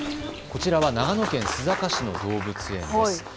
こちらは長野県須坂市の動物園です。